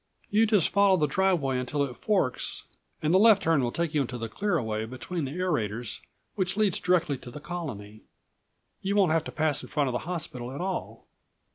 "You just follow the driveway until it forks and the left turn will take you into the clear away between the aerators which leads directly to the Colony. You won't have to pass in front of the hospital at all.